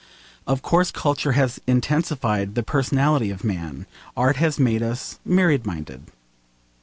Of course, culture has intensified the personality of man. Art has made us myriad minded.